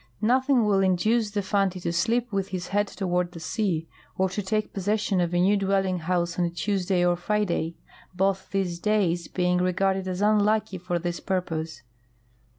Nothing will in duce the Fanti to sleep with his head toward the sea or to take possession of a new dwelling house on a Tuesday or Friday, both these days being regarded as unlucky for this purpose.